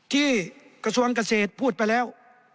กระทรวงเกษตรพูดไปแล้ว